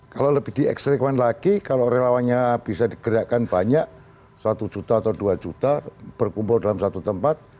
kalau lebih di ekstrikumen lagi kalau relawannya bisa digerakkan banyak satu juta atau dua juta berkumpul dalam satu tempat